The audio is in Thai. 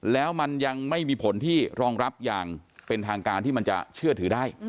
แล้วมันยังไม่มีผลที่รองรับอย่างเป็นทางการที่มันจะเชื่อถือได้